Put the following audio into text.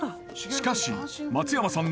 しかし松山さん